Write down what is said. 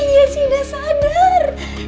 jessy sudah sadar